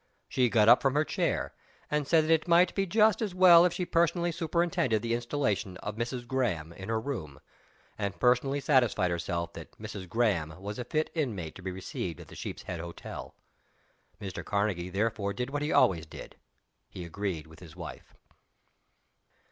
She got up from her chair and said that it might be just as well if she personally superintended the installation of "Mrs. Graham" in her room, and personally satisfied herself that "Mrs. Graham" was a fit inmate to be received at the Sheep's Head Hotel. Mr. Karnegie thereupon did what he always did he agreed with his wife.